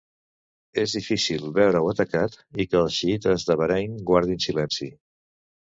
És difícil veure-ho atacat i que els xiïtes de Bahrain guardin silenci.